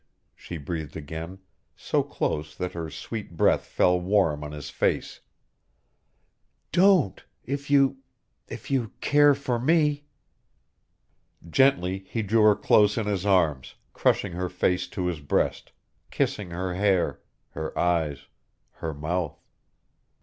she breathed again, so close that her sweet breath fell warm on his face. "Don't if you if you care for me!" Gently he drew her close in his arms, crushing her face to his breast, kissing her hair, her eyes, her mouth.